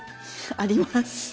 あります。